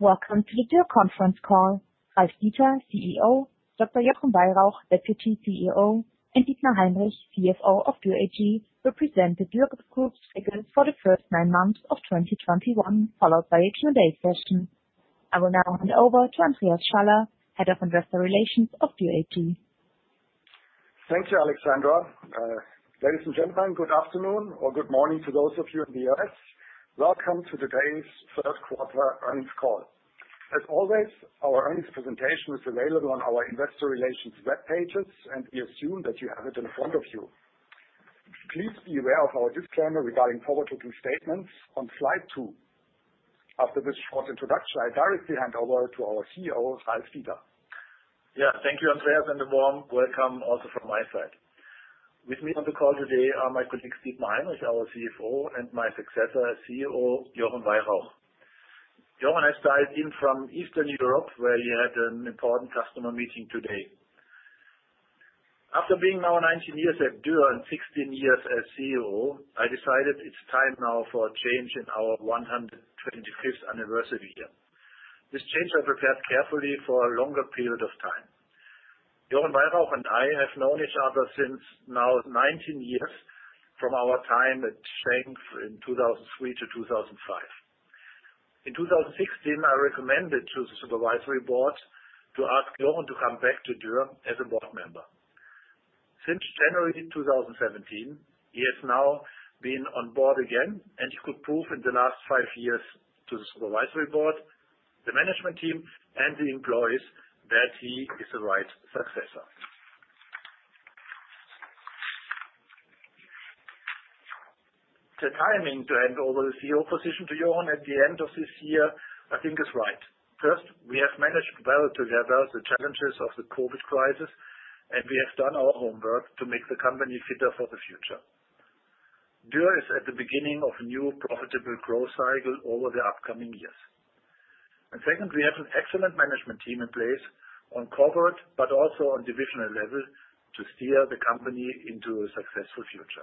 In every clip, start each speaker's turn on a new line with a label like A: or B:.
A: Welcome to the Dürr conference call. Ralf Dieter, CEO, Dr. Jochen Weyrauch, Deputy CEO, and Dietmar Heinrich, CFO of Dürr AG, will present the Dürr Group's figures for the first nine months of 2021, followed by a Q&A session. I will now hand over to Andreas Schaller, Head of Investor Relations of Dürr AG.
B: Thank you, Alexandra. Ladies and gentlemen, good afternoon, or good morning to those of you in the U.S. Welcome to today's first quarter earnings call. As always, our earnings presentation is available on our investor relations web pages, and we assume that you have it in front of you. Please be aware of our disclaimer regarding forward-looking statements on slide two. After this short introduction, I directly hand over to our CEO, Ralf Dieter.
C: Yeah. Thank you, Andreas, and a warm welcome also from my side. With me on the call today are my colleagues, Dietmar Heinrich, our CFO, and my successor as CEO, Jochen Weyrauch. Jochen has dialed in from Eastern Europe, where he had an important customer meeting today. After being now 19 years at Dürr and 16 years as CEO, I decided it's time now for a change in our 125th anniversary year. This change I prepared carefully for a longer period of time. Jochen Weyrauch and I have known each other since now 19 years from our time at Schenck in 2003 to 2005. In 2016, I recommended to the supervisory board to ask Jochen to come back to Dürr as a board member. Since January 2017, he has now been on board again, and he could prove in the last five years to the supervisory board, the management team, and the employees that he is the right successor. The timing to hand over the CEO position to Jochen at the end of this year, I think is right. First, we have managed well together the challenges of the COVID crisis, and we have done our homework to make the company fitter for the future. Dürr is at the beginning of a new profitable growth cycle over the upcoming years. Second, we have an excellent management team in place on corporate but also on divisional level to steer the company into a successful future.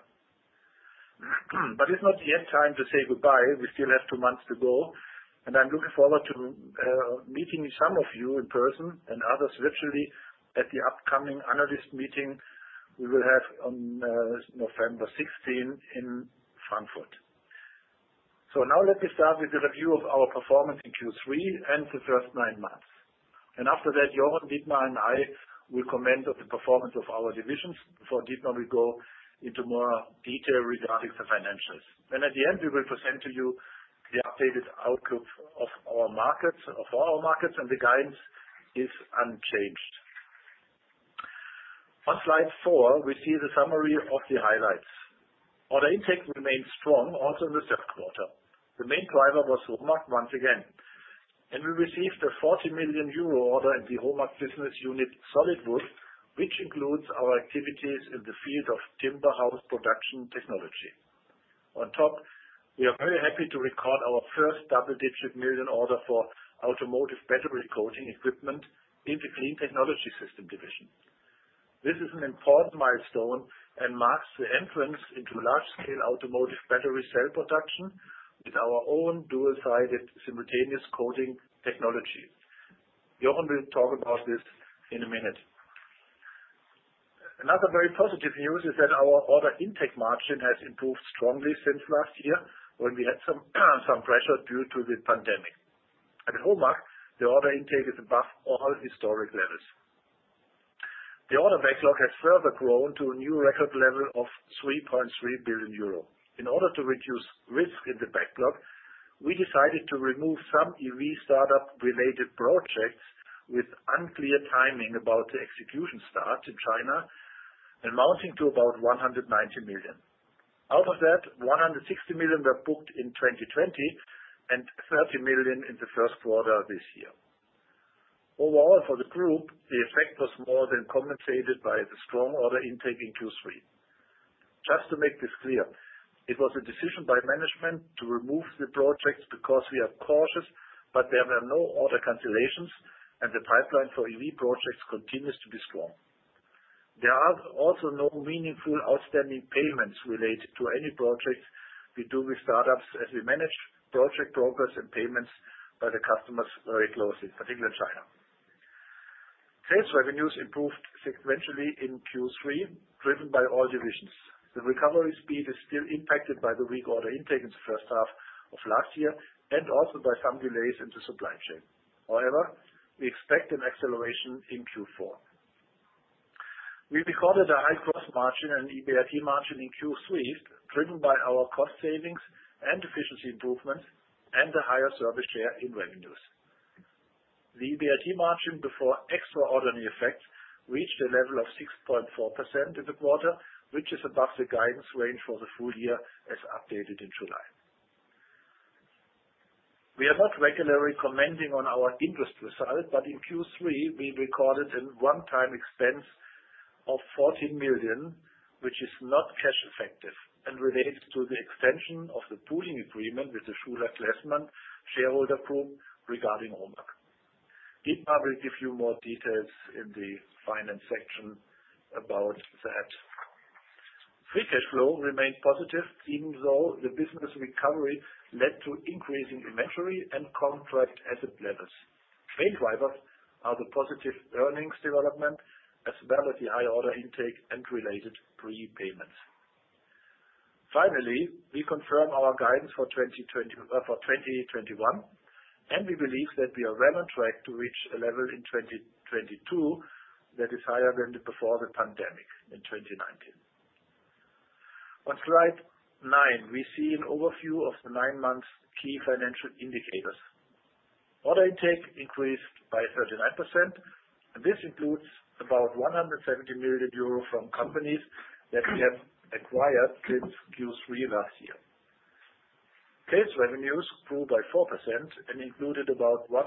C: It's not yet time to say goodbye. We still have two months to go, and I'm looking forward to meeting some of you in person and others virtually at the upcoming analyst meeting we will have on November 16 in Frankfurt. Now let me start with the review of our performance in Q3 and the first nine months. After that, Jochen, Dietmar and I will comment on the performance of our divisions before Dietmar will go into more detail regarding the financials. At the end, we will present to you the updated outlook of our markets, of all our markets, and the guidance is unchanged. On slide four, we see the summary of the highlights. Order intake remained strong also in the third quarter. The main driver was HOMAG once again. We received a 40 million euro order in the HOMAG business unit, Solid Wood, which includes our activities in the field of timber house production technology. On top, we are very happy to record our first double-digit million order for automotive battery coating equipment in the Clean Technology Systems division. This is an important milestone and marks the entrance into large-scale automotive battery cell production with our own dual-sided simultaneous coating technology. Jochen will talk about this in a minute. Another very positive news is that our order intake margin has improved strongly since last year when we had some pressure due to the pandemic. At HOMAG, the order intake is above all historic levels. The order backlog has further grown to a new record level of 3.3 billion euro. In order to reduce risk in the backlog, we decided to remove some EV startup-related projects with unclear timing about the execution start in China, amounting to about 190 million. Out of that, 160 million were booked in 2020 and 30 million in the first quarter of this year. Overall, for the group, the effect was more than compensated by the strong order intake in Q3. Just to make this clear, it was a decision by management to remove the projects because we are cautious, but there were no order cancellations, and the pipeline for EV projects continues to be strong. There are also no meaningful outstanding payments related to any projects we do with startups, as we manage project progress and payments by the customers very closely, particularly China. Sales revenues improved sequentially in Q3, driven by all divisions. The recovery speed is still impacted by the weak order intake in the first half of last year and also by some delays in the supply chain. However, we expect an acceleration in Q4. We recorded a high gross margin and EBIT margin in Q3, driven by our cost savings and efficiency improvements and the higher service share in revenues. The EBIT margin before extraordinary effects reached a level of 6.4% in the quarter, which is above the guidance range for the full year as updated in July. We are not regularly commenting on our interest result, but in Q3, we recorded a one-time expense of 40 million, which is not cash effective and relates to the extension of the pooling agreement with the Schuler-Klessmann shareholder group regarding HOMAG. Dietmar will give you more details in the finance section about that. Free cash flow remained positive even though the business recovery led to increase in inventory and contract asset levels. Main drivers are the positive earnings development as well as the high order intake and related prepayments. Finally, we confirm our guidance for 2021 and we believe that we are well on track to reach a level in 2022 that is higher than before the pandemic in 2019. On slide nine we see an overview of the nine months key financial indicators. Order intake increased by 39%. This includes about 170 million euro from companies that we have acquired since Q3 last year. Sales revenues grew by 4% and included about 145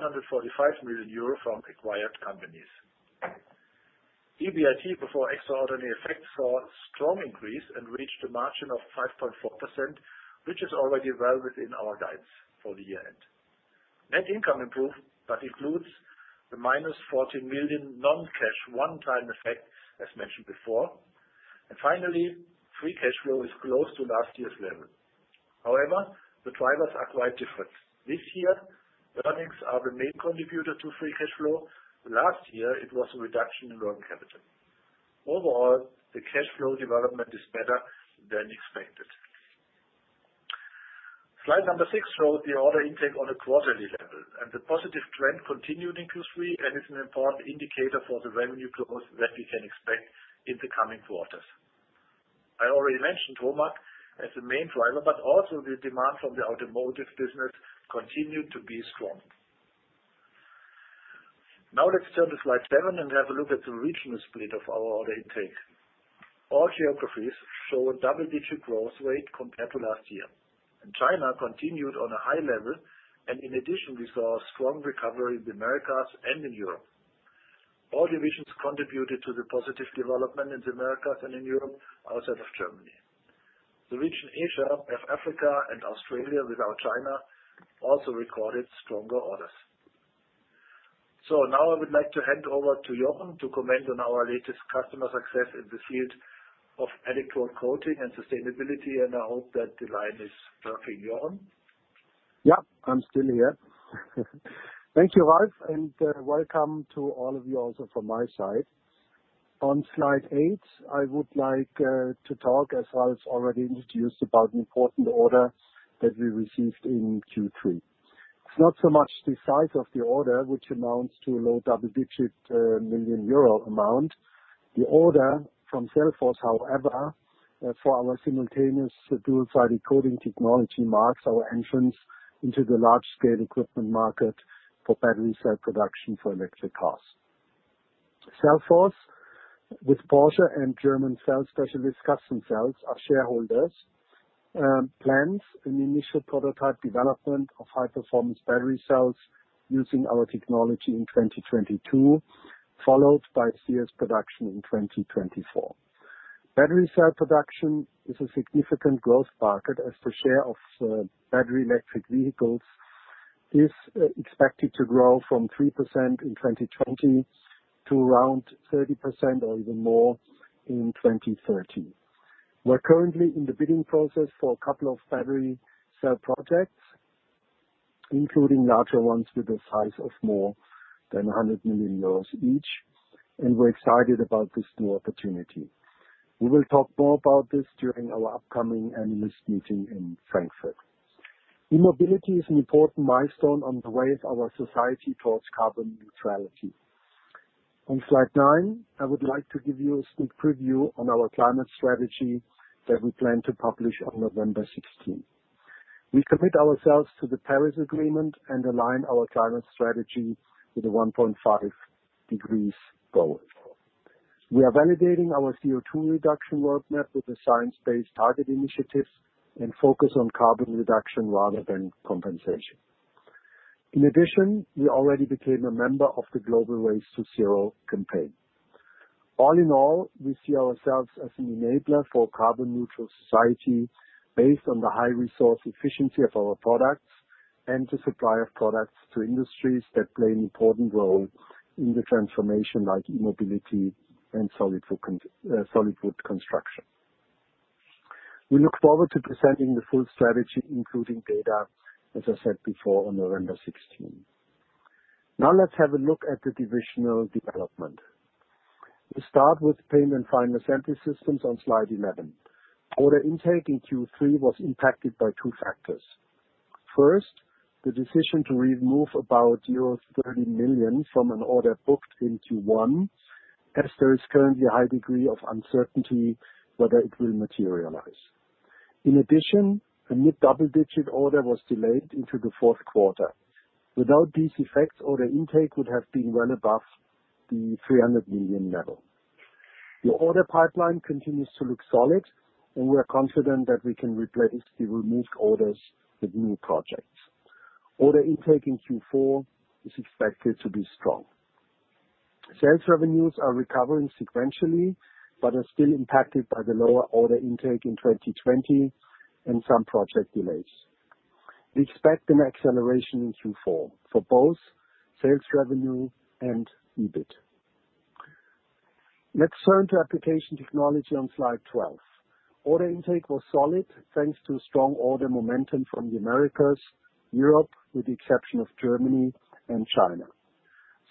C: million euro from acquired companies. EBIT before extraordinary effects saw a strong increase and reached a margin of 5.4%, which is already well within our guides for the year end. Net income improved but includes the -14 million non-cash one-time effect as mentioned before. Finally, free cash flow is close to last year's level. However, the drivers are quite different. This year, earnings are the main contributor to free cash flow. Last year it was a reduction in working capital. Overall, the cash flow development is better than expected. Slide six shows the order intake on a quarterly level and the positive trend continued in Q3 and is an important indicator for the revenue growth that we can expect in the coming quarters. I already mentioned HOMAG as the main driver but also the demand from the automotive business continued to be strong. Now let's turn to slide seven and have a look at the regional split of our order intake. All geographies show a double-digit growth rate compared to last year. China continued on a high level and in addition we saw a strong recovery in the Americas and in Europe. All divisions contributed to the positive development in the Americas and in Europe outside of Germany. The region Asia, Africa and Australia without China also recorded stronger orders. Now I would like to hand over to Jochen to comment on our latest customer success in the field of additive coating and sustainability and I hope that the line is working, Jochen.
D: Yeah, I'm still here. Thank you, Ralf, and welcome to all of you also from my side. On slide eight I would like to talk as Ralf already introduced about an important order that we received in Q3. It's not so much the size of the order which amounts to a low double-digit million euro amount. The order from Cellforce however for our simultaneous dual-sided coating technology marks our entry into the large scale equipment market for battery cell production for electric cars. Cellforce with Porsche and German cell specialist CustomCells, our shareholders, plans an initial prototype development of high-performance battery cells using our technology in 2022 followed by series production in 2024. Battery cell production is a significant growth market as the share of battery electric vehicles is expected to grow from 3% in 2020 to around 30% or even more in 2030. We're currently in the bidding process for a couple of battery cell projects including larger ones with a size of more than 100 million euros each and we're excited about this new opportunity. We will talk more about this during our upcoming analyst meeting in Frankfurt. E-mobility is an important milestone on the way of our society towards carbon neutrality. On slide nine I would like to give you a sneak preview on our climate strategy that we plan to publish on November sixteenth. We commit ourselves to the Paris Agreement and align our climate strategy with the 1.5 degrees goal. We are validating our CO2 reduction roadmap with the Science Based Targets initiative and focus on carbon reduction rather than compensation. In addition, we already became a member of the Race to Zero campaign. All in all, we see ourselves as an enabler for carbon neutral society based on the high resource efficiency of our products and the supply of products to industries that play an important role in the transformation like e-mobility and solid wood construction. We look forward to presenting the full strategy including data as I said before on November sixteenth. Now let's have a look at the divisional development. We start with Paint and Final Assembly Systems on slide 11. Order intake in Q3 was impacted by two factors. First, the decision to remove about 30 million from an order booked in Q1 as there is currently a high degree of uncertainty whether it will materialize. In addition, a mid double-digit order was delayed into the fourth quarter. Without these effects, order intake would have been well above the 300 million level. The order pipeline continues to look solid and we are confident that we can replace the removed orders with new projects. Order intake in Q4 is expected to be strong. Sales revenues are recovering sequentially but are still impacted by the lower order intake in 2020 and some project delays. We expect an acceleration in Q4 for both sales revenue and EBIT. Let's turn to Application Technology on slide 12. Order intake was solid, thanks to strong order momentum from the Americas, Europe, with the exception of Germany and China.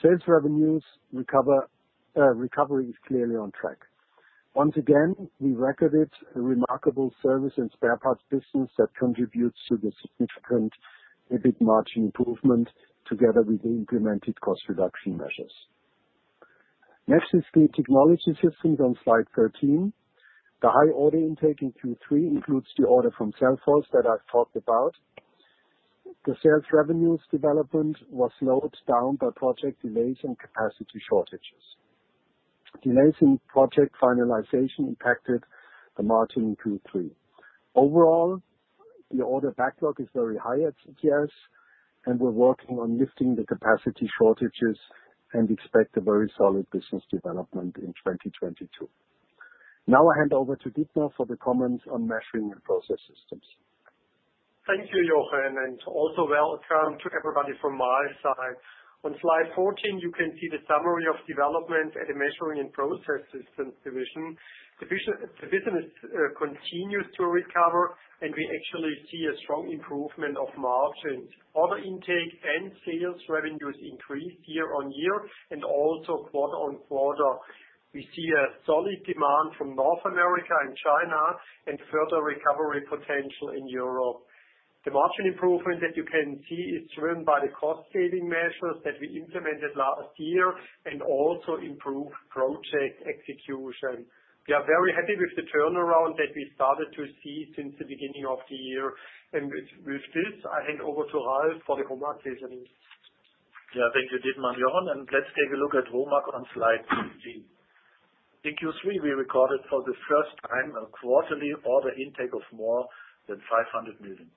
D: Sales revenues recover, recovery is clearly on track. Once again, we recorded a remarkable service and spare parts business that contributes to the significant EBIT margin improvement together with the implemented cost reduction measures. Next is the Clean Technology Systems on slide 13. The high order intake in Q3 includes the order from Cellforce that I've talked about. The sales revenues development was slowed down by project delays and capacity shortages. Delays in project finalization impacted the margin in Q3. Overall, the order backlog is very high at CTS, and we're working on lifting the capacity shortages and expect a very solid business development in 2022. Now I hand over to Dietmar for the comments on Measuring and Process Systems.
E: Thank you, Jochen, and also welcome to everybody from my side. On slide 14, you can see the summary of development at the Measuring and Process Systems division. The business continues to recover, and we actually see a strong improvement of margins. Order intake and sales revenues increased year-over-year and also quarter-over-quarter. We see a solid demand from North America and China and further recovery potential in Europe. The margin improvement that you can see is driven by the cost-saving measures that we implemented last year and also improved project execution. We are very happy with the turnaround that we started to see since the beginning of the year. With this, I hand over to Ralf for the HOMAG business.
C: Yeah. Thank you, Dietmar and Jochen, and let's take a look at HOMAG on slide 15. In Q3, we recorded for the first time a quarterly order intake of more than 500 million.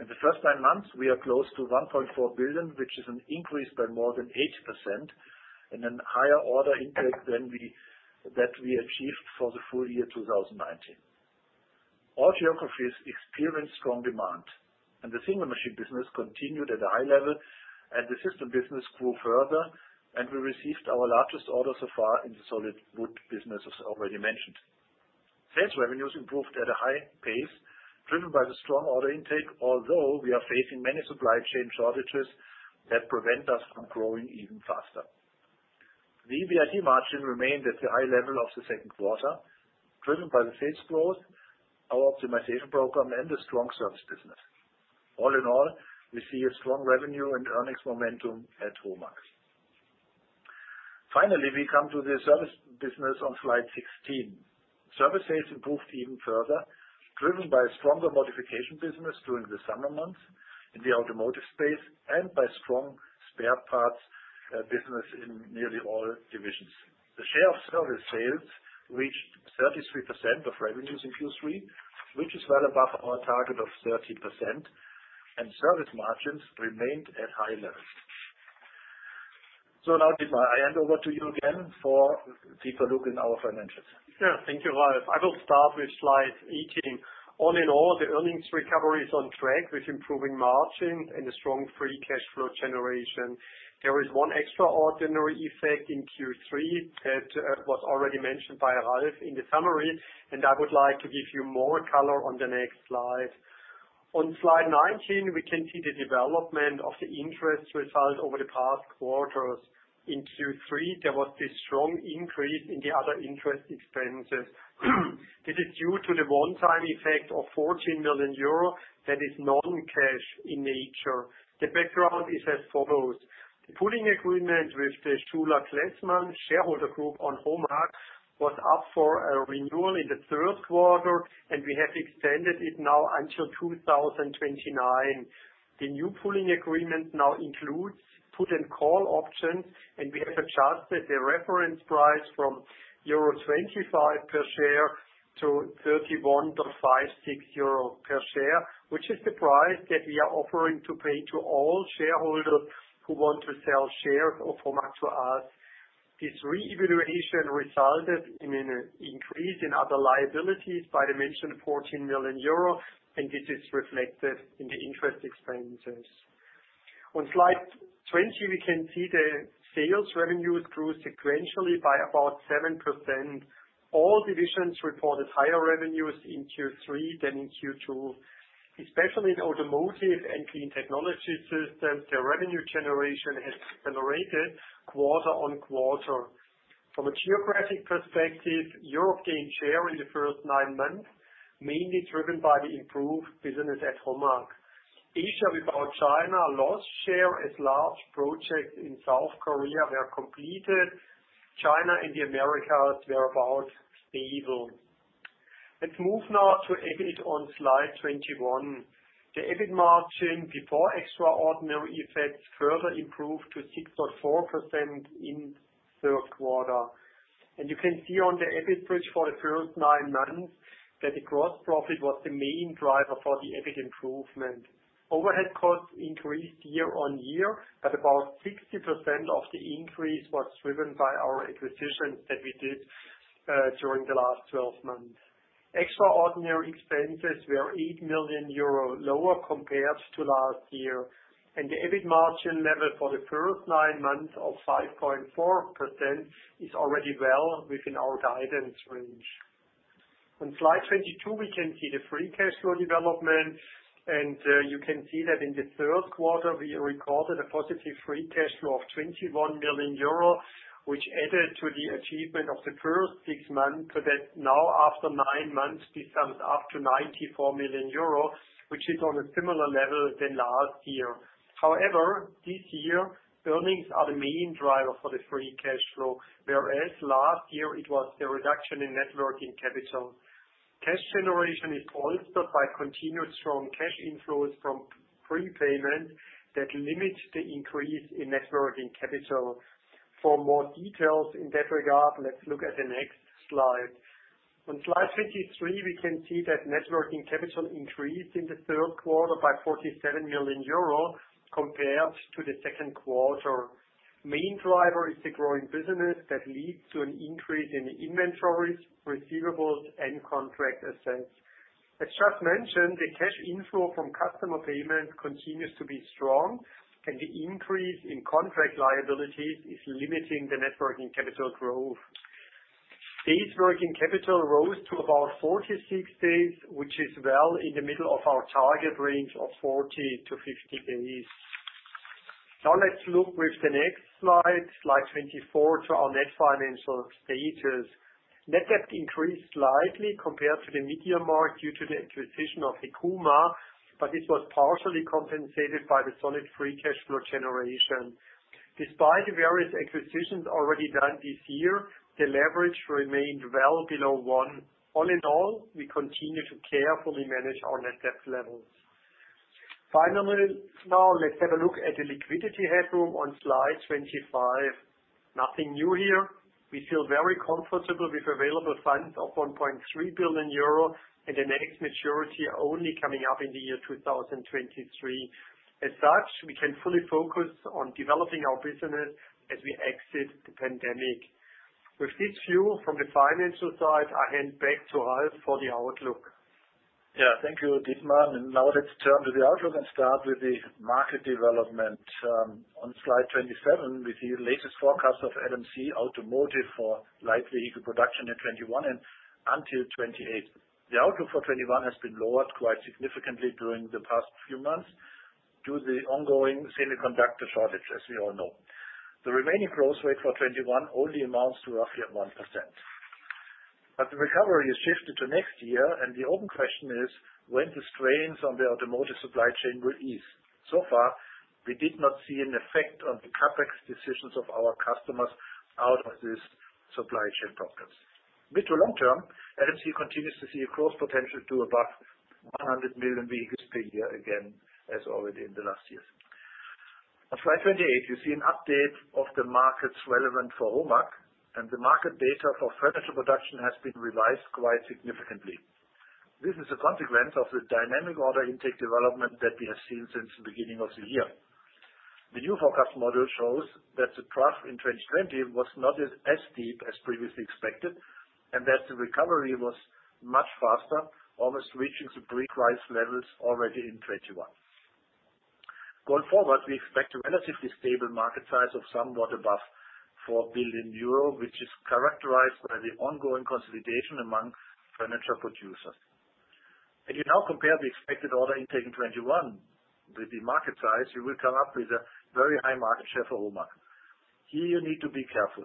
C: In the first nine months, we are close to 1.4 billion, which is an increase by more than 8% and then higher order intake than that we achieved for the full year 2019. All geographies experienced strong demand, and the single machine business continued at a high level, and the system business grew further, and we received our largest order so far in the solid wood business, as already mentioned. Sales revenues improved at a high pace driven by the strong order intake, although we are facing many supply chain shortages that prevent us from growing even faster. The EBIT margin remained at the high level of the second quarter, driven by the sales growth, our optimization program, and a strong service business. All in all, we see a strong revenue and earnings momentum at HOMAG. Finally, we come to the service business on slide 16. Service sales improved even further, driven by a stronger modification business during the summer months in the automotive space and by strong spare parts business in nearly all divisions. The share of service sales reached 33% of revenues in Q3, which is well above our target of 30%, and service margins remained at high levels. Now, Dietmar, I hand over to you again for a deeper look in our financials.
E: Yeah. Thank you, Ralf. I will start with slide 18. All in all, the earnings recovery is on track with improving margins and a strong free cash flow generation. There is one extraordinary effect in Q3 that was already mentioned by Ralf in the summary, and I would like to give you more color on the next slide. On slide 19, we can see the development of the interest result over the past quarters. In Q3, there was this strong increase in the other interest expenses. This is due to the one-time effect of 14 million euro that is non-cash in nature. The background is as follows. The pooling agreement with the Schuler-Klessmann shareholder group on HOMAG was up for a renewal in the third quarter, and we have extended it now until 2029. The new pooling agreement now includes put and call options, and we have adjusted the reference price from euro 25 per share to 31.56 euro per share, which is the price that we are offering to pay to all shareholders who want to sell shares of HOMAG to us. This reevaluation resulted in an increase in other liabilities by the mentioned 14 million euro, and this is reflected in the interest expenses. On slide 20, we can see the sales revenues grew sequentially by about 7%. All divisions reported higher revenues in Q3 than in Q2. Especially in Automotive and Clean Technology Systems, their revenue generation has accelerated quarter-on-quarter. From a geographic perspective, Europe gained share in the first nine months, mainly driven by the improved business at HOMAG. Asia without China lost share as large projects in South Korea were completed. China and the Americas were about stable. Let's move now to EBIT on slide 21. The EBIT margin before extraordinary effects further improved to 6.4% in third quarter. You can see on the EBIT bridge for the first nine months that the gross profit was the main driver for the EBIT improvement. Overhead costs increased year-over-year, but about 60% of the increase was driven by our acquisitions that we did during the last 12 months. Extraordinary expenses were 8 million euro lower compared to last year, and the EBIT margin level for the first nine months of 5.4% is already well within our guidance range. On slide 22, we can see the free cash flow development, and you can see that in the third quarter, we recorded a positive free cash flow of 21 million euro, which added to the achievement of the first six months, so that now after nine months, this sums up to 94 million euro, which is on a similar level than last year. However, this year, earnings are the main driver for the free cash flow, whereas last year it was the reduction in net working capital. Cash generation is bolstered by continuous strong cash inflows from prepayment that limits the increase in net working capital. For more details in that regard, let's look at the next slide. On slide 23, we can see that net working capital increased in the third quarter by 47 million euros compared to the second quarter. Main driver is the growing business that leads to an increase in inventories, receivables, and contract assets. As just mentioned, the cash inflow from customer payment continues to be strong, and the increase in contract liabilities is limiting the net working capital growth. Days working capital rose to about 46 days, which is well in the middle of our target range of 40-50 days. Now let's look with the next slide 24, to our net financial status. Net debt increased slightly compared to the midyear mark due to the acquisition of Hekuma, but this was partially compensated by the solid free cash flow generation. Despite the various acquisitions already done this year, the leverage remained well below one. All in all, we continue to carefully manage our net debt levels. Finally, now let's have a look at the liquidity headroom on slide 25. Nothing new here. We feel very comfortable with available funds of 1.3 billion euro and the next maturity only coming up in the year 2023. As such, we can fully focus on developing our business as we exit the pandemic. With this view from the financial side, I hand back to Ralf for the outlook.
C: Yeah, thank you, Dietmar. Now let's turn to the outlook and start with the market development. On slide 27, we see the latest forecast of LMC Automotive for light vehicle production in 2021 and until 2028. The outlook for 2021 has been lowered quite significantly during the past few months due to the ongoing semiconductor shortage, as we all know. The remaining growth rate for 2021 only amounts to roughly 1%. The recovery has shifted to next year, and the open question is when the strains on the automotive supply chain will ease. We did not see an effect on the CapEx decisions of our customers out of these supply chain problems. Mid to long term, LMC continues to see a growth potential to above 100 million vehicles per year again, as already in the last years. On slide 28, you see an update of the markets relevant for HOMAG, and the market data for furniture production has been revised quite significantly. This is a consequence of the dynamic order intake development that we have seen since the beginning of the year. The new forecast model shows that the trough in 2020 was not as deep as previously expected, and that the recovery was much faster, almost reaching the pre-crisis levels already in 2021. Going forward, we expect a relatively stable market size of somewhat above 4 billion euro, which is characterized by the ongoing consolidation among furniture producers. If you now compare the expected order intake in 2021 with the market size, you will come up with a very high market share for HOMAG. Here, you need to be careful.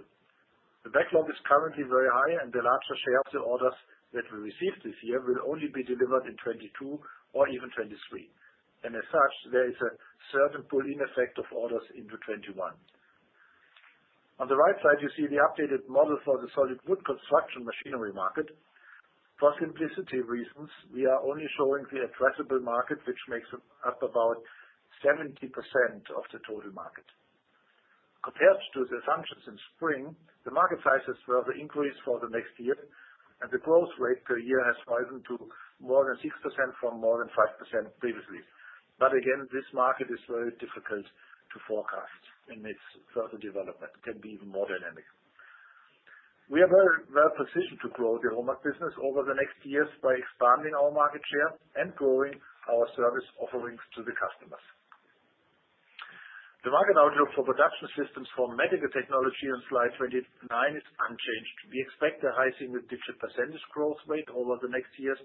C: The backlog is currently very high, and the larger share of the orders that we received this year will only be delivered in 2022 or even 2023. As such, there is a certain pull-in effect of orders into 2021. On the right side, you see the updated model for the solid wood construction machinery market. For simplicity reasons, we are only showing the addressable market, which makes up about 70% of the total market. Compared to the assumptions in spring, the market sizes further increased for the next year, and the growth rate per year has risen to more than 6% from more than 5% previously. Again, this market is very difficult to forecast, and its further development can be even more dynamic. We are very well positioned to grow the HOMAG business over the next years by expanding our market share and growing our service offerings to the customers. The market outlook for production systems for medical technology on slide 29 is unchanged. We expect a high single-digit % growth rate over the next years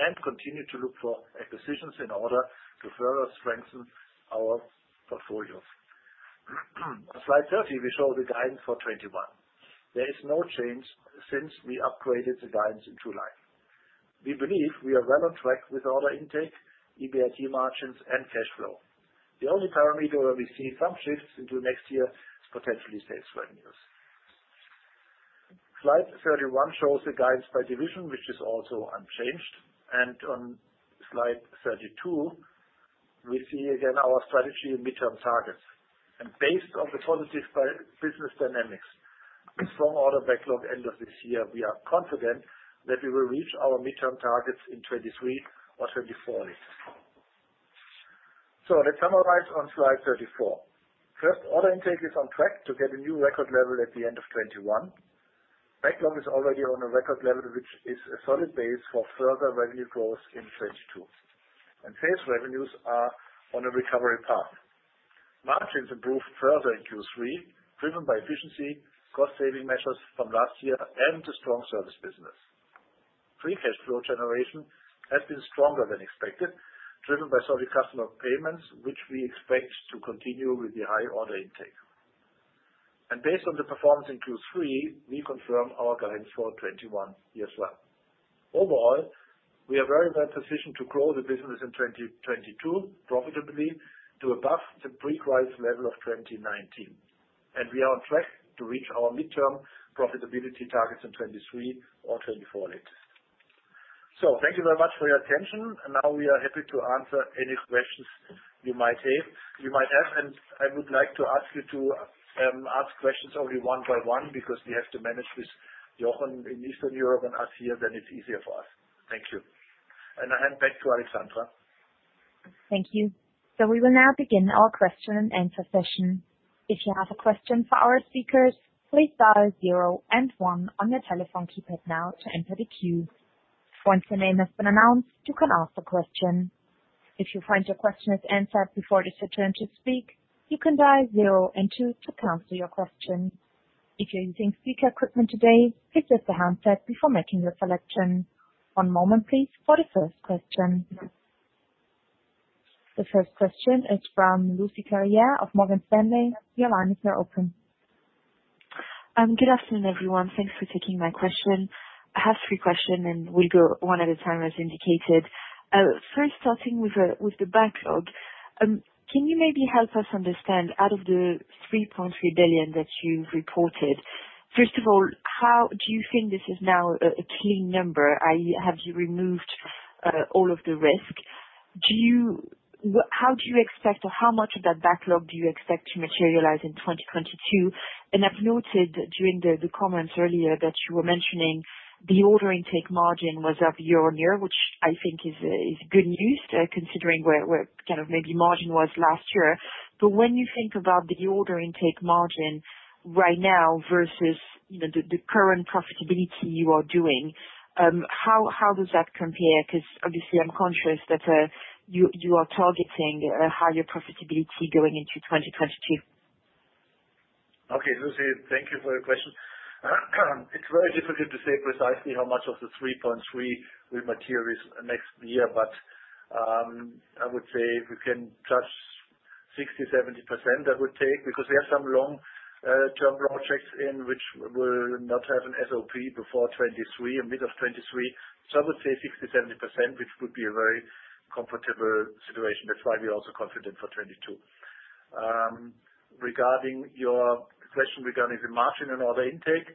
C: and continue to look for acquisitions in order to further strengthen our portfolios. On slide 30, we show the guidance for 2021. There is no change since we upgraded the guidance in July. We believe we are well on track with order intake, EBIT margins, and cash flow. The only parameter where we see some shifts into next year is potentially sales revenues. Slide 31 shows the guidance by division, which is also unchanged. On slide 32, we see again our strategy and midterm targets. Based on the positive business dynamics and strong order backlog end of this year, we are confident that we will reach our midterm targets in 2023 or 2024 at least. Let's summarize on slide 34. First, order intake is on track to get a new record level at the end of 2021. Backlog is already on a record level, which is a solid base for further revenue growth in 2022. Sales revenues are on a recovery path. Margins improved further in Q3, driven by efficiency, cost saving measures from last year and a strong service business. Free cash flow generation has been stronger than expected, driven by solid customer payments, which we expect to continue with the high order intake. Based on the performance in Q3, we confirm our guidance for 2021 as well. Overall, we are very well-positioned to grow the business in 2022 profitably to above the pre-crisis level of 2019, and we are on track to reach our midterm profitability targets in 2023 or 2024 latest. Thank you very much for your attention, and now we are happy to answer any questions you might have. I would like to ask you to ask questions only one by one, because we have to manage with Jochen in Eastern Europe and us here, then it's easier for us. Thank you. I hand back to Alexandra.
A: Thank you. We will now begin our question and answer session. If you have a question for our speakers, please dial zero and one on your telephone keypad now to enter the queue. Once your name has been announced, you can ask a question. If you find your question is answered before it is your turn to speak, you can dial zero and two to cancel your question. If you're using speaker equipment today, please hit the handset before making your selection. One moment please for the first question. The first question is from Lucie Carrier of Morgan Stanley. Your line is now open.
F: Good afternoon, everyone. Thanks for taking my question. I have three questions and will go one at a time, as indicated. First starting with the backlog. Can you maybe help us understand out of the 3.3 billion that you've reported, first of all, how do you think this is now a clean number, i.e., have you removed all of the risk? How do you expect or how much of that backlog do you expect to materialize in 2022? I've noted during the comments earlier that you were mentioning the order intake margin was up year-on-year, which I think is good news, considering where kind of maybe margin was last year. When you think about the order intake margin right now versus, you know, the current profitability you are doing, how does that compare? 'Cause obviously I'm conscious that, you are targeting a higher profitability going into 2022.
C: Okay, Lucie, thank you for your question. It's very difficult to say precisely how much of the 3.3 will materialize next year. I would say we can judge 60%-70% I would take because we have some long term projects in which we will not have an SOP before 2023 and middle of 2023. I would say 60%-70%, which would be a very comfortable situation. That's why we're also confident for 2022. Regarding your question regarding the margin and order intake,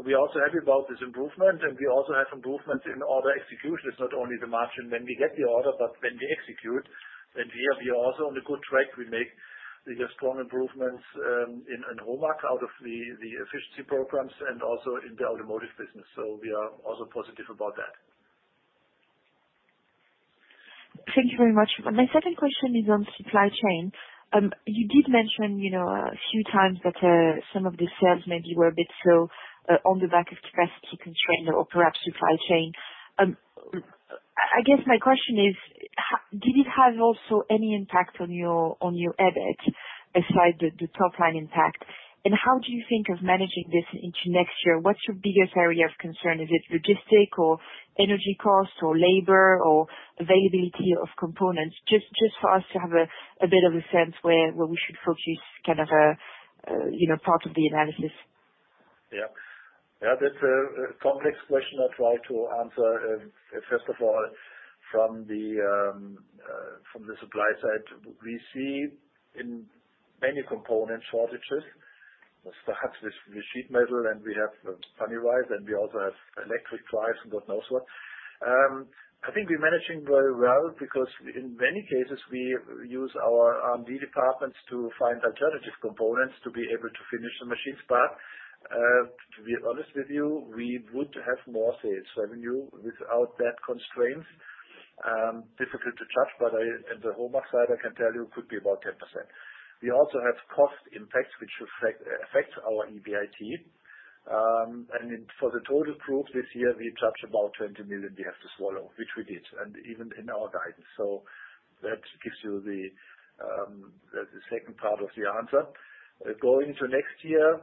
C: we are also happy about this improvement, and we also have improvements in order execution. It's not only the margin when we get the order, but when we execute. Here we are also on a good track. We have strong improvements in HOMAG out of the efficiency programs and also in the automotive business. We are also positive about that.
F: Thank you very much. My second question is on supply chain. You did mention, you know, a few times that some of the sales maybe were a bit slow on the back of capacity constraint or perhaps supply chain. I guess my question is: Did it have also any impact on your EBIT aside the top line impact? And how do you think of managing this into next year? What's your biggest area of concern? Is it logistics or energy cost or labor or availability of components? Just for us to have a bit of a sense where we should focus kind of, you know, part of the analysis.
C: Yeah. Yeah, that's a complex question. I'll try to answer first of all from the supply side. We see many component shortages. Perhaps with the sheet metal and we have honeycombs and we also have electronics prices and God knows what. I think we're managing very well because in many cases we use our R&D departments to find alternative components to be able to finish the machines. To be honest with you, we would have more sales revenue without that constraint. Difficult to judge, but at the HOMAG side, I can tell you could be about 10%. We also have cost impacts which affect our EBIT. For the total group this year, we judged about 20 million we have to swallow, which we did, and even in our guidance. That gives you the second part of the answer. Going to next year,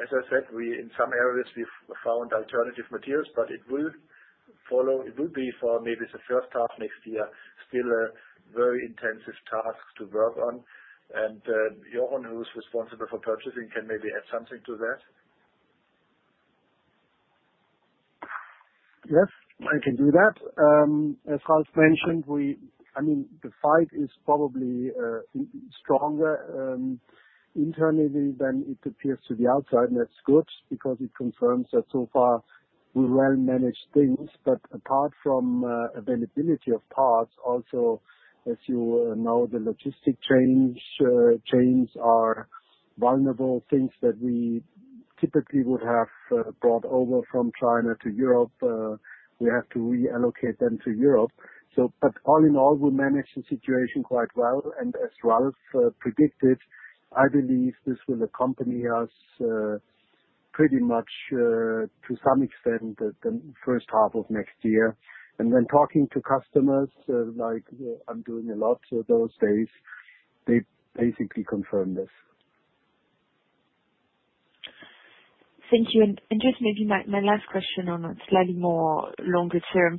C: as I said, we in some areas we've found alternative materials, but it will follow. It will be for maybe the first half next year, still a very intensive task to work on. Jochen, who's responsible for purchasing, can maybe add something to that.
D: Yes, I can do that. As Ralf mentioned, I mean, the fight is probably stronger internally than it appears to the outside, and that's good because it confirms that so far we well manage things. Apart from availability of parts, also, as you know, the logistics chains are vulnerable things that we Typically would have brought over from China to Europe, we have to reallocate them to Europe. All in all, we managed the situation quite well. As Ralf predicted, I believe this will accompany us pretty much to some extent that the first half of next year. When talking to customers like I'm doing a lot those days, they basically confirm this.
F: Thank you. Just maybe my last question on a slightly more longer term.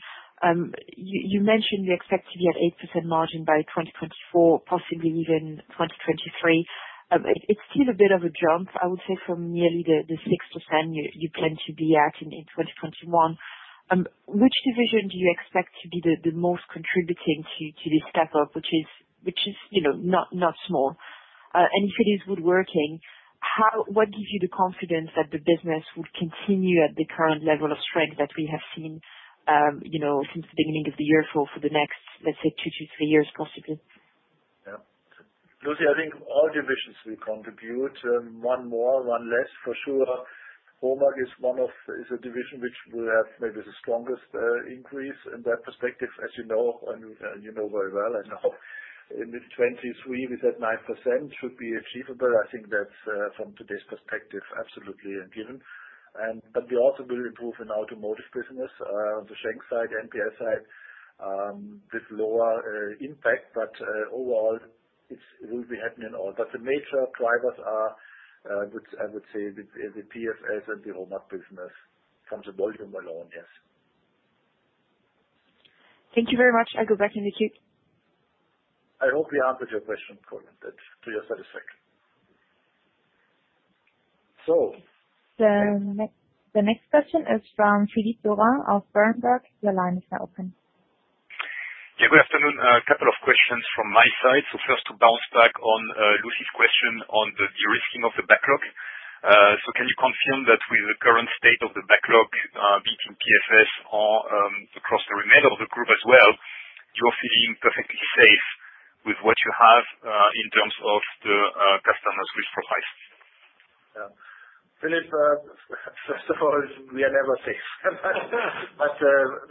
F: You mentioned you expect to be at 8% margin by 2024, possibly even 2023. It's still a bit of a jump, I would say, from nearly the 6% you plan to be at in 2021. Which division do you expect to be the most contributing to this step up, which is, you know, not small. If it is woodworking, what gives you the confidence that the business would continue at the current level of strength that we have seen, you know, since the beginning of the year for the next, let's say, 2-3 years, possibly?
C: Yeah. Lucie, I think all divisions will contribute. One more, one less, for sure. HOMAG is one of—is a division which will have maybe the strongest increase in that perspective, as you know, and you know very well. I know in mid-2023 we said 9% should be achievable. I think that's, from today's perspective, absolutely a given. We also will improve in automotive business, the Schenck side, MPS side, with lower impact. Overall, it will be happening in all. The major drivers are, which I would say the PFS and the HOMAG business from the volume alone, yes.
F: Thank you very much. I go back in the queue.
C: I hope we answered your question, Lucie Carrier, to your satisfaction.
D: So-
A: The next question is from Philippe Lorrain of Berenberg. Your line is now open.
G: Yeah, good afternoon. A couple of questions from my side. First, to bounce back on, Lucie's question on the de-risking of the backlog. Can you confirm that with the current state of the backlog, be it in PFS or, across the remainder of the group as well, you're feeling perfectly safe with what you have, in terms of the, customers we provide?
C: Yeah. Philippe, first of all, we are never safe.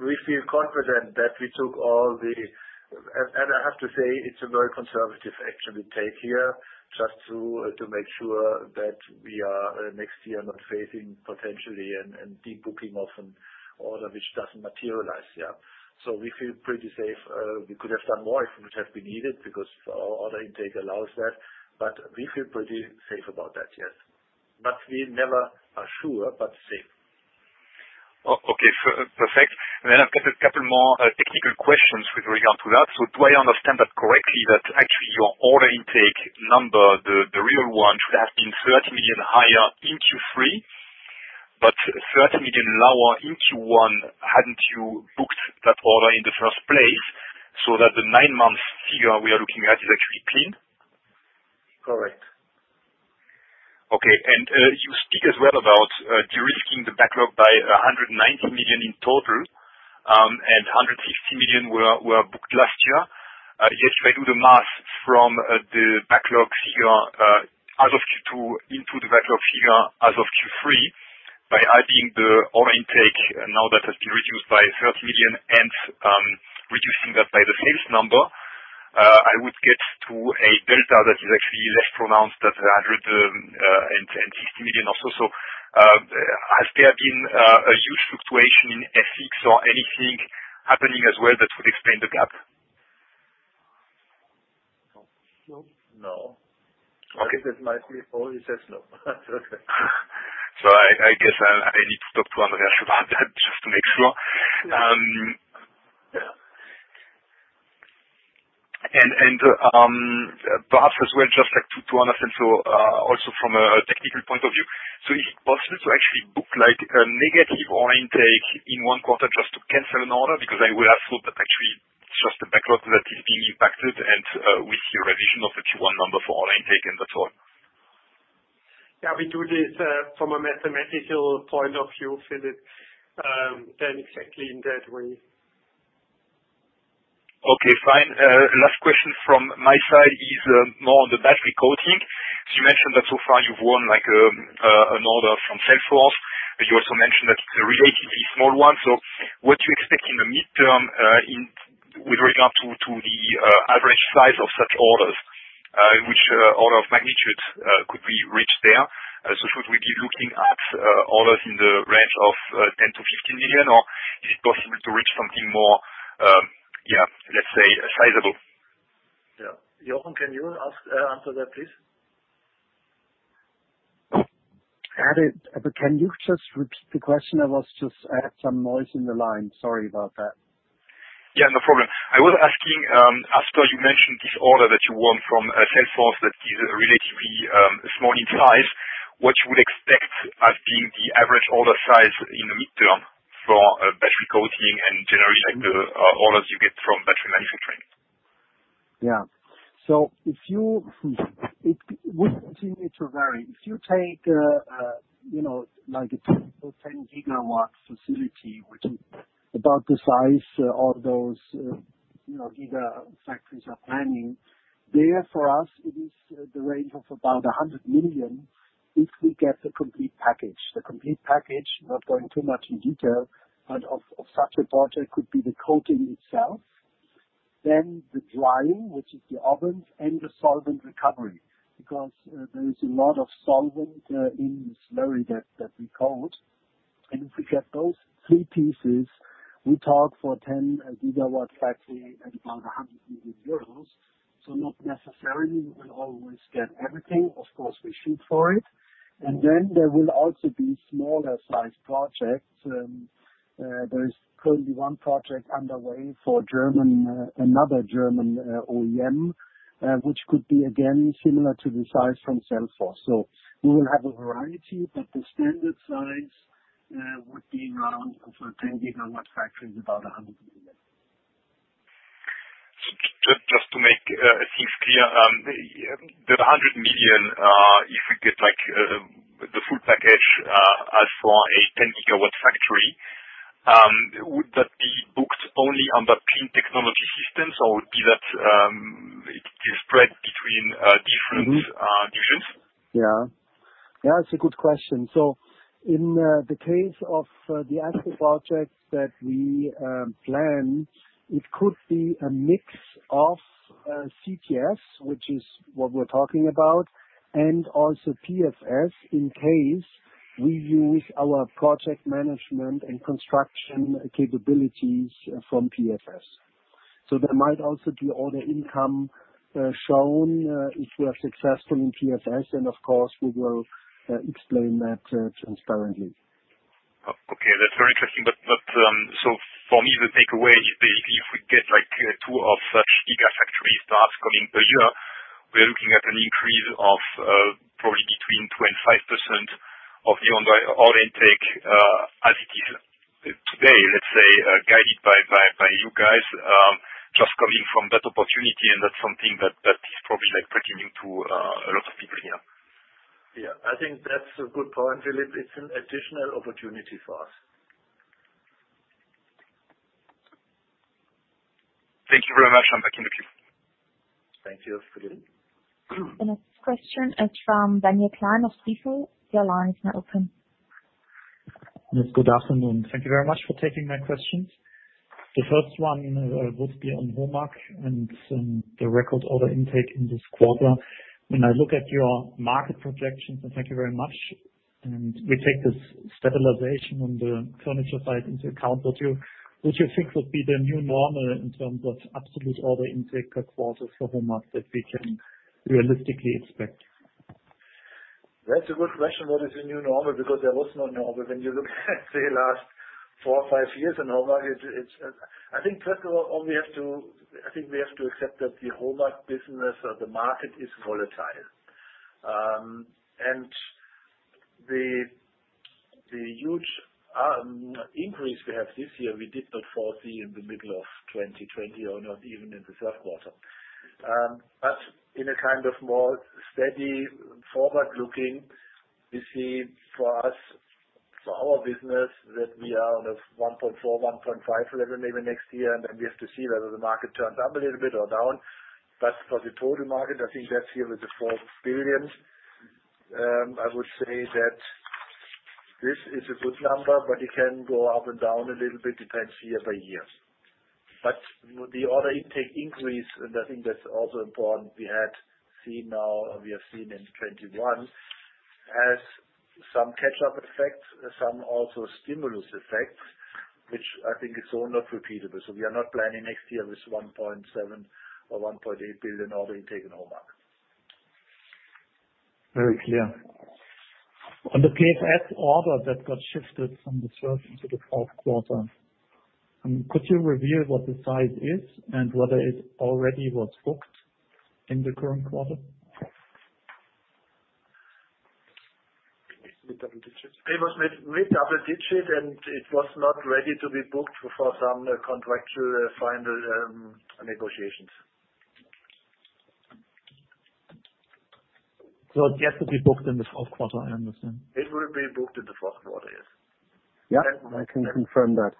C: We feel confident. I have to say, it's a very conservative action we take here just to make sure that we are next year not facing potentially an de-booking of an order which doesn't materialize, yeah. We feel pretty safe. We could have done more if it would have been needed, because our order intake allows that. We feel pretty safe about that, yes. We never are sure, but safe.
G: Okay. Perfect. I've got a couple more technical questions with regard to that. Do I understand that correctly, that actually your order intake number, the real one, should have been 30 million higher in Q3, but 30 million lower in Q1, hadn't you booked that order in the first place, so that the nine-month figure we are looking at is actually clean?
C: Correct.
G: Okay. You speak as well about de-risking the backlog by 190 million in total, and 150 million were booked last year. Yesterday, I do the math from the backlog figure as of Q2 into the backlog figure as of Q3 by adding the order intake. Now that has been reduced by 30 million and reducing that by the sales number, I would get to a delta that is actually less pronounced at 110-150 million or so. Has there been a huge fluctuation in FX or anything happening as well that would explain the gap?
C: No.
G: No.
C: Okay. That's my sleep phone. It says no.
G: I guess I need to talk to Andreas about that just to make sure.
C: Yeah.
G: Perhaps as well, I'd just like to understand, also from a technical point of view, is it possible to actually book like a negative order intake in one quarter just to cancel an order? Because I would assume that actually it's just the backlog that is being impacted and we see a revision of the Q1 number for order intake and that's all.
E: Yeah, we do this from a mathematical point of view, Philippe, then exactly in that way.
G: Okay, fine. Last question from my side is more on the battery coating. You mentioned that so far you've won like an order from Cellforce, but you also mentioned that it's a relatively small one. What do you expect in the mid-term with regard to the average size of such orders? Which order of magnitude could we reach there? Should we be looking at orders in the range of 10 million-15 million, or is it possible to reach something more, yeah, let's say sizable?
C: Yeah. Jochen, can you answer that, please?
D: Add it. Can you just repeat the question? I had some noise in the line. Sorry about that.
G: Yeah, no problem. I was asking, after you mentioned this order that you won from Cellforce that is relatively small in size, what you would expect as being the average order size in the midterm for battery coating and generally like the orders you get from battery manufacturing.
D: It would continue to vary. If you take, you know, like a typical 10 gigawatt-hour facility, which is about the size of those, You know, gigafactories are planning. Therefore, for us, it is the range of about 100 million if we get the complete package. The complete package, not going too much in detail, but of such a project could be the coating itself, then the drying, which is the ovens and the solvent recovery. Because there is a lot of solvent in the slurry that we coat. If we get those three pieces, we talk for 10 gigawatt factory at about 100 million euros. Not necessarily we will always get everything. Of course, we shoot for it. Then there will also be smaller sized projects. There is currently one project underway for German, another German OEM, which could be again similar to the size from Cellforce. We will have a variety, but the standard size would be around for 10 gigawatt factory is about 100 million.
G: Just to make things clear, the 100 million, if we get like the full package, as for a 10 gigawatt-hour factory, would that be booked only under Clean Technology Systems or would be that it is spread between different-
C: Mm-hmm.
G: divisions?
D: Yeah. Yeah, it's a good question. In the case of the actual projects that we plan, it could be a mix of CTS, which is what we're talking about, and also PFS in case we use our project management and construction capabilities from PFS. There might also be other income shown if we are successful in PFS, and of course we will explain that transparently.
G: Okay, that's very interesting. For me, the takeaway is basically if we get like two of such gigafactories tasks coming per year, we are looking at an increase of probably between 20% of the order intake as it is today, let's say, guided by you guys, just coming from that opportunity and that's something that is probably like pretty new to a lot of people here.
C: Yeah, I think that's a good point, Philippe. It's an additional opportunity for us.
G: Thank you very much. I'm back in the queue.
C: Thank you, Philippe.
A: The next question is from Daniel Gleim of Stifel. Your line is now open.
H: Yes, good afternoon. Thank you very much for taking my questions. The first one would be on HOMAG and the record order intake in this quarter. When I look at your market projections, and thank you very much, and we take this stabilization on the furniture side into account. What you think would be the new normal in terms of absolute order intake per quarter for HOMAG that we can realistically expect?
C: That's a good question. What is the new normal? Because there was no normal when you look at, say, last 4 or 5 years in HOMAG. I think first of all we have to accept that the HOMAG business or the market is volatile. The huge increase we have this year we did not foresee in the middle of 2020 or not even in the Q3. In a kind of more steady forward-looking, we see for us, for our business that we are on a 1.4-1.5 level maybe next year. We have to see whether the market turns up a little bit or down. For the total market, I think that's it with the 4 billion. I would say that this is a good number, but it can go up and down a little bit, depends year by year. The order intake increase, and I think that's also important, we had seen now or we have seen in 2021, has some catch-up effects, some also stimulus effects, which I think is all not repeatable. We are not planning next year with 1.7 billion or 1.8 billion order intake in HOMAG.
H: Very clear. On the PFS order that got shifted from the third into the fourth quarter, could you reveal what the size is and whether it already was booked in the current quarter? It was double digits.
C: It was with double-digit and it was not ready to be booked for some contractual final negotiations.
H: It has to be booked in this fourth quarter, I understand.
C: It will be booked in the fourth quarter, yes.
D: Yeah. I can confirm that.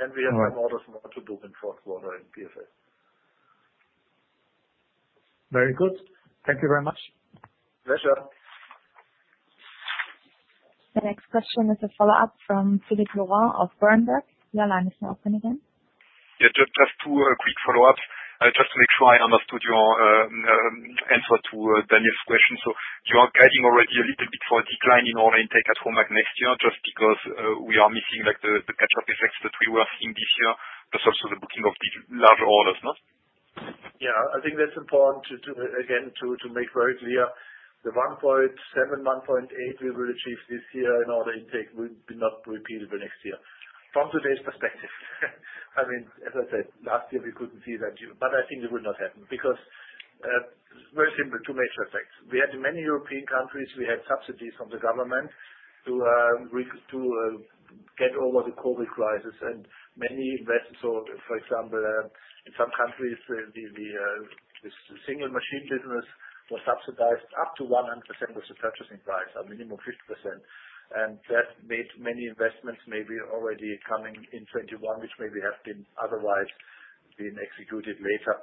C: We have other orders now to book in fourth quarter in PFS.
H: Very good. Thank you very much.
C: Pleasure.
A: The next question is a follow-up from Philippe Lorrain of Berenberg. Your line is now open again.
G: Just two quick follow-ups, just to make sure I understood your answer to Daniel's question. You are guiding already a little bit for a decline in order intake at HOMAG next year just because we are missing like the catch-up effects that we were in this year plus also the booking of the larger orders, no?
C: Yeah. I think that's important to again make very clear the 1.7, 1.8 we will achieve this year in order intake will be not repeatable next year from today's perspective. I mean, as I said, last year we couldn't foresee that year. I think it will not happen because very simple, 2 major effects. We had many European countries, we had subsidies from the government to get over the COVID crisis and many invested. For example, in some countries, the single machine business was subsidized up to 100% of the purchasing price, a minimum of 50%. That made many investments maybe already coming in 2021, which maybe have otherwise been executed later.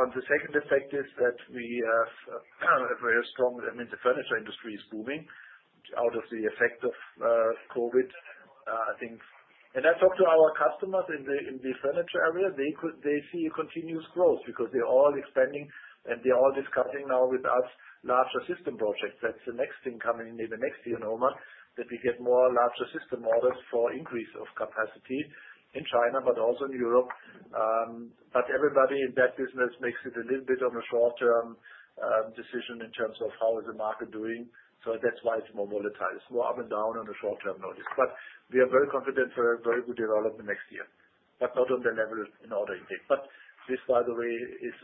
C: The second effect is that we have very strong. I mean, the furniture industry is booming out of the effect of COVID. I think I talked to our customers in the furniture area. They see a continuous growth because they're all expanding and they're all discussing now with us larger system projects. That's the next thing coming in the next year, HOMAG, that we get more larger system orders for increase of capacity in China, but also in Europe. Everybody in that business makes it a little bit of a short-term decision in terms of how is the market doing. That's why it's more volatile. It's more up and down on a short-term notice. We are very confident for a very good development next year, but not on the level in order intake. This, by the way, is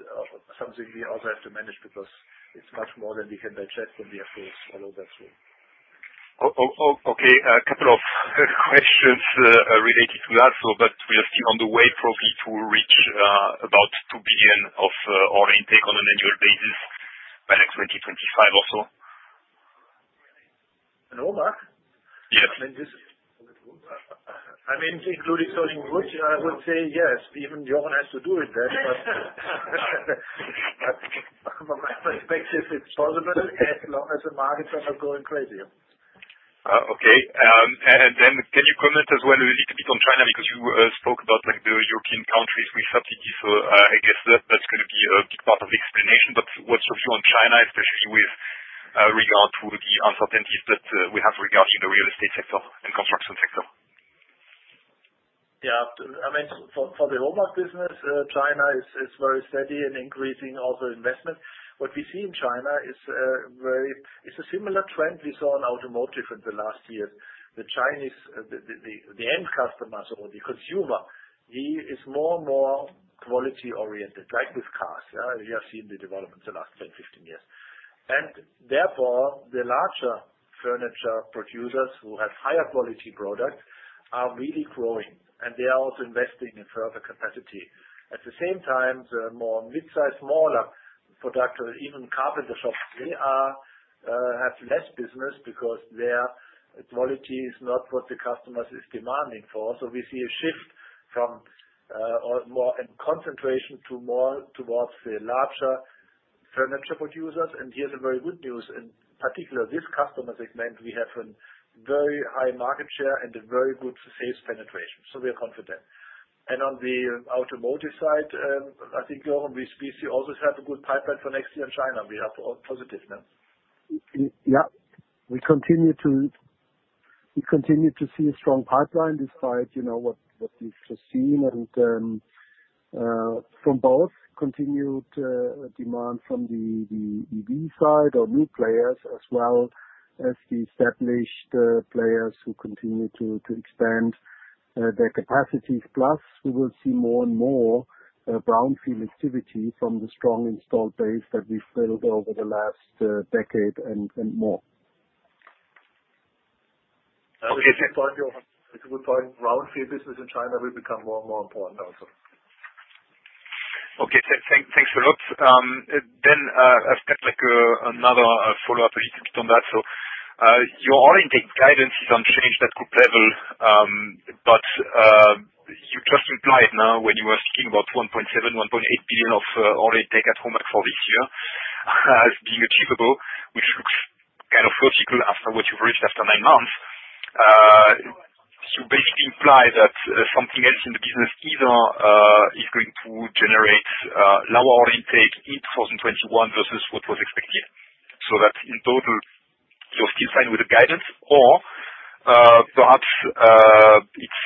C: something we also have to manage because it's much more than we can digest and we have to follow that through.
G: Okay. A couple of questions related to that. We are still on the way probably to reach about 2 billion of order intake on an annual basis by next 2025 or so.
C: HOMAG?
G: Yes.
C: I mean, including selling wood, I would say yes, even Jochen has to do with that. From my perspective, it's possible as long as the markets are not going crazy.
G: Okay. Can you comment as well a little bit on China because you spoke about like the European countries with subsidies. I guess that's gonna be a big part of the explanation. What's your view on China, especially with regard to the uncertainties that we have regarding the real estate sector and construction sector?
C: Yeah. I mean, for the HOMAG business, China is very steady and increasing also investment. What we see in China is, it's a similar trend we saw in automotive in the last years. The Chinese, the end customers or the consumer, he is more and more quality-oriented, like with cars. Yeah, we have seen the development the last 10, 15 years. Therefore, the larger furniture producers who have higher quality products are really growing, and they are also investing in further capacity. At the same time, the more midsize, smaller producers, even carpenter shops, they have less business because their quality is not what the customers is demanding for. We see a shift or more a concentration to more towards the larger furniture producers. Here's the very good news. In particular, this customer segment, we have a very high market share and a very good sales penetration. We are confident. On the automotive side, I think, Jochen, we also have a good pipeline for next year in China. We are all positive now.
D: Yeah. We continue to see a strong pipeline despite, you know, what we've just seen and from both continued demand from the EV side or new players as well as the established players who continue to expand their capacities. Plus we will see more and more brownfield activity from the strong installed base that we've built over the last decade and more.
C: Jochen, if you would point, brownfield business in China will become more and more important also.
G: Okay. Thanks a lot. I've got like another follow-up related to that. Your order intake guidance is unchanged at group level, but you just implied now when you were speaking about 1.7 billion-1.8 billion of order intake at HOMAG for this year as being achievable, which looks kind of vertical after what you've reached after nine months. You basically imply that something else in the business either is going to generate lower intake in 2021 versus what was expected. That in total you're still fine with the guidance or perhaps it's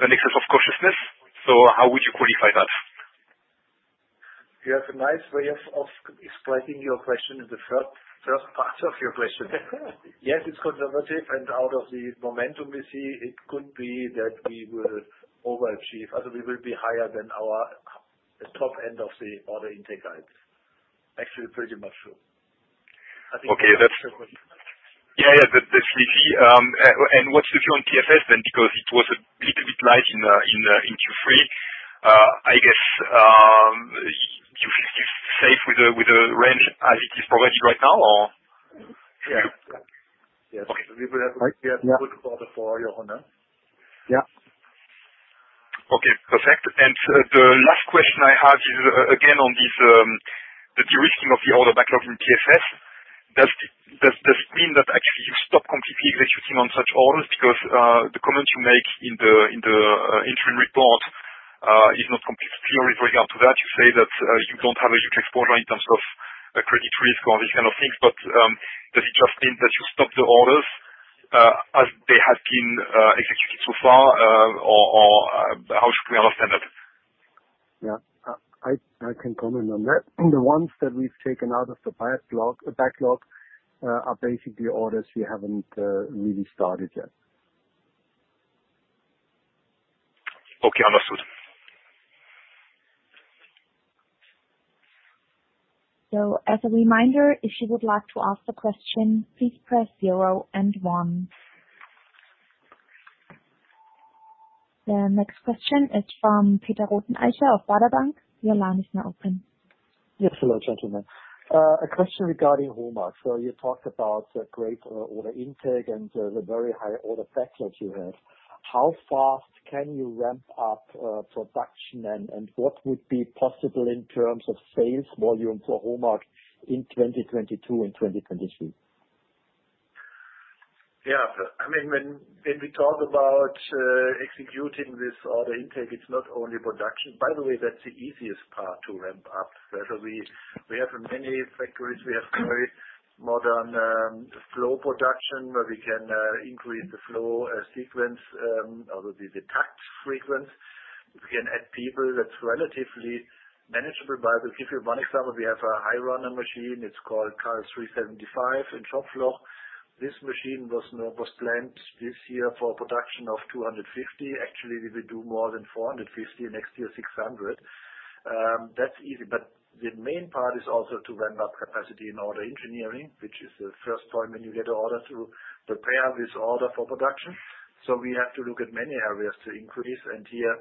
G: an excess of cautiousness. How would you qualify that?
C: You have a nice way of explaining your question in the first part of your question. Yes, it's conservative and out of the momentum we see it could be that we will overachieve. I think we will be higher than our top end of the order intake guide. Actually, pretty much so. I think.
G: What's the view on PFS then? Because it was a little bit light in Q3. I guess you feel safe with the range as it is provided right now or?
C: Yeah. Yes.
G: Okay.
C: We have good order for you on that.
D: Yeah.
G: Okay. Perfect. The last question I have is, again, on this, the de-risking of the order backlog from PFA. Does this mean that actually you stop completely executing on such orders? Because the comments you make in the interim report is not completely clear with regard to that. You say that you don't have a huge exposure in terms of credit risk or these kind of things. But does it just mean that you stop the orders as they have been executed so far, or how should we understand that?
D: Yeah. I can comment on that. The ones that we've taken out of the backlog are basically orders we haven't really started yet.
G: Okay. Understood.
A: As a reminder, if you would like to ask a question, please press zero and one. The next question is from Peter Rothenaicher of Baader Bank. Your line is now open.
I: Yes. Hello, gentlemen. A question regarding HOMAG. You talked about the great order intake and the very high order factors you have. How fast can you ramp up production and what would be possible in terms of sales volume for HOMAG in 2022 and 2023?
C: Yeah. I mean, when we talk about executing this order intake, it's not only production. By the way, that's the easiest part to ramp up. Actually, we have many factories. We have very modern flow production, where we can increase the flow sequence or the takt frequency. We can add people that's relatively manageable. I will give you one example. We have a high runner machine. It's called KAL 375 in Schopfloch. This machine was planned this year for production of 250. Actually, we will do more than 450. Next year, 600. That's easy. The main part is also to ramp up capacity in order engineering, which is the first point when you get an order to prepare this order for production. We have to look at many areas to increase. Here,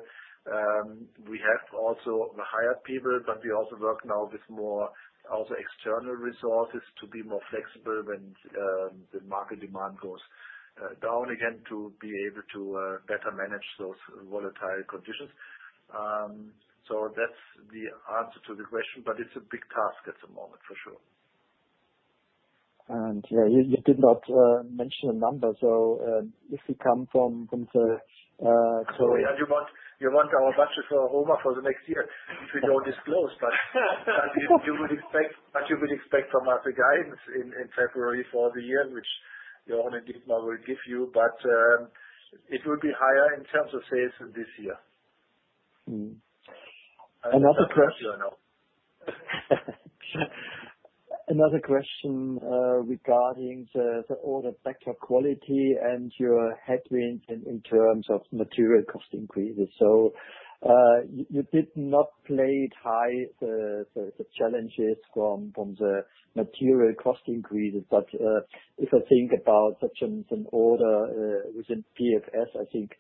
C: we have also hired people, but we also work now with more also external resources to be more flexible when the market demand goes down again to be able to better manage those volatile conditions. That's the answer to the question, but it's a big task at the moment, for sure.
I: Yeah, you did not mention a number. So, if you come from the so-
C: Oh, yeah, you want our budget for HOMAG for the next year, which we don't disclose. That you would expect, as you would expect from us, a guidance in February for the year, which Jochen and Heinrich will give you. It will be higher in terms of sales than this year.
I: Mm. Another quest-
C: I don't know.
I: Another question regarding the order factor quality and your headwinds in terms of material cost increases. You did not play it high, the challenges from the material cost increases. If I think about such an order within PFS, I think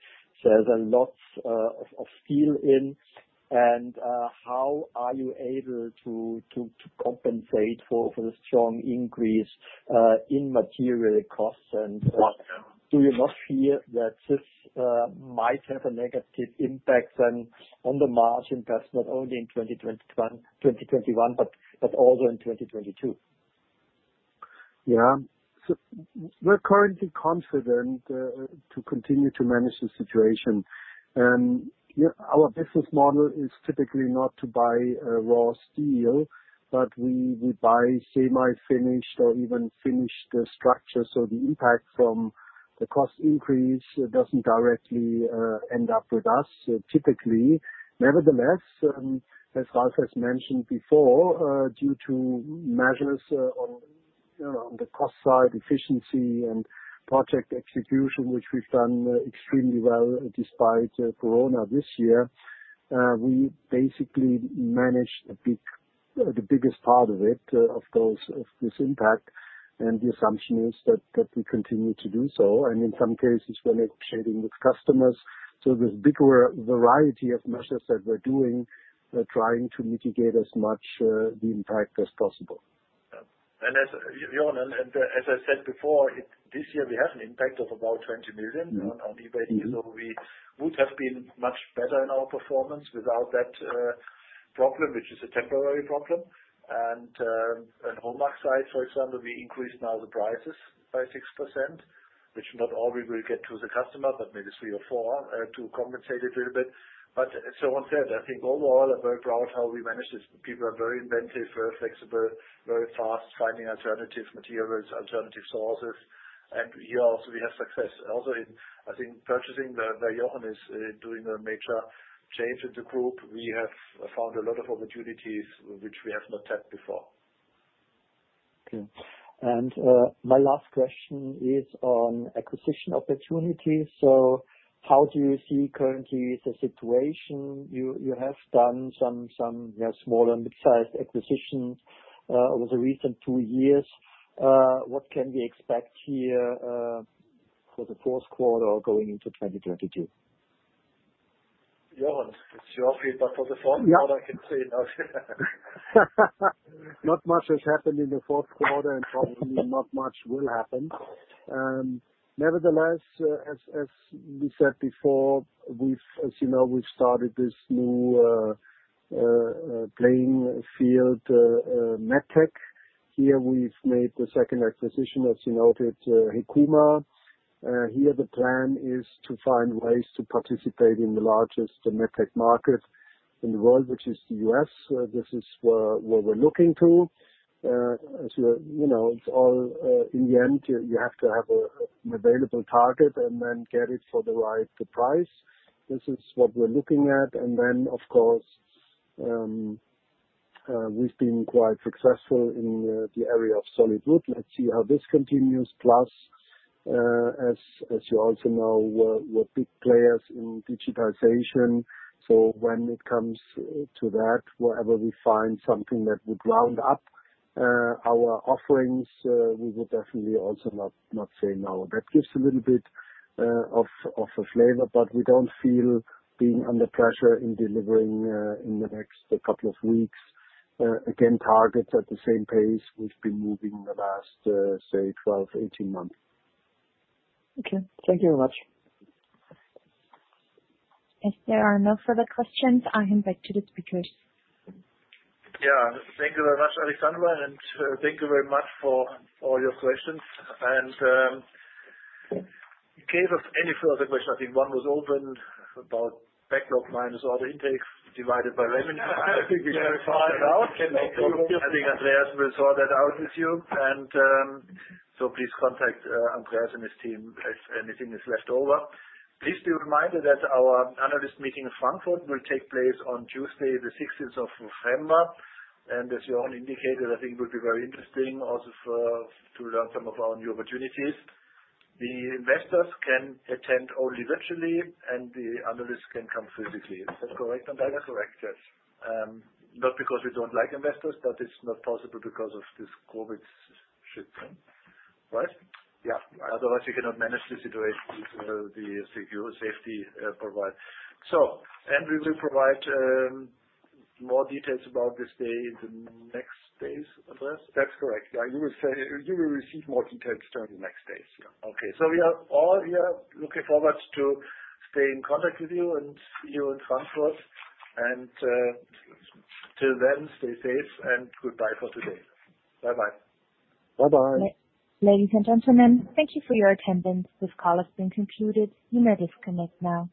I: there's a lot of steel in. How are you able to compensate for the strong increase in material costs? Do you not fear that this might have a negative impact on the margin, that's not only in 2021, but also in 2022?
D: We're currently confident to continue to manage the situation. Our business model is typically not to buy raw steel, but we buy semi-finished or even finished structures. The impact from the cost increase doesn't directly end up with us, typically. Nevertheless, as Ralf has mentioned before, due to measures on, you know, on the cost side, efficiency and project execution, which we've done extremely well despite corona this year, we basically managed the biggest part of it, of course, of this impact. The assumption is that we continue to do so. In some cases we're negotiating with customers. There's bigger variety of measures that we're doing, trying to mitigate as much the impact as possible.
C: As I said before, this year we have an impact of about 20 million.
D: Mm-hmm.
C: On EBITDA, we would have been much better in our performance without that problem, which is a temporary problem. On HOMAG side, for example, we increased now the prices by 6%, which not all we will get to the customer, but maybe 3 or 4% to compensate a little bit. As Jochen said, I think overall we're very proud how we managed this. People are very inventive, very flexible, very fast finding alternative materials, alternative sources. Here also we have success. In purchasing, where Jochen is doing a major change in the group, we have found a lot of opportunities which we have not tapped before.
I: Okay. My last question is on acquisition opportunities. How do you see currently the situation? You have done some yeah small and mid-sized acquisitions over the recent two years. What can we expect here for the fourth quarter or going into 2022?
C: Jochen, it's your field, but for the fourth quarter I can say nothing.
D: Not much has happened in the fourth quarter and probably not much will happen. Nevertheless, as we said before, as you know, we've started this new playing field, MedTech. Here we've made the second acquisition, as you noted, Hekuma. Here the plan is to find ways to participate in the largest MedTech market in the world, which is the U.S. This is where we're looking to. As you know, it's all in the end, you have to have an available target and then get it for the right price. This is what we're looking at. Of course, we've been quite successful in the area of solid wood. Let's see how this continues. As you also know, we're big players in digitization. When it comes to that, wherever we find something that would round up our offerings, we would definitely also not say no. That gives a little bit of a flavor, but we don't feel being under pressure in delivering in the next couple of weeks. Again, targets at the same pace we've been moving the last say 12, 18 months.
I: Okay. Thank you very much.
A: If there are no further questions, I hand back to the speakers.
C: Thank you very much, Alexandra, and thank you very much for all your questions. In case of any further question, I think one was open about backlog minus order intake divided by-
D: I think we can find out.
C: I think Andreas will sort that out with you. Please contact Andreas and his team if anything is left over. Please be reminded that our analyst meeting in Frankfurt will take place on Tuesday the sixteenth of November. As Jochen indicated, I think it will be very interesting also to learn some of our new opportunities. The investors can attend only virtually and the analysts can come physically. Is that correct, Andreas?
B: That is correct, yes.
C: Not because we don't like investors, but it's not possible because of this COVID shit, right? Yeah. Otherwise, we cannot manage the situation with the secure safety provide. We will provide more details about this day in the next days, Andreas?
B: That's correct. Yeah. You will receive more details during the next days.
C: Okay. We are all here looking forward to stay in contact with you and see you in Frankfurt. Till then, stay safe and goodbye for today. Bye-bye.
D: Bye-bye.
A: Ladies and gentlemen, thank you for your attendance. This call has been concluded. You may disconnect now.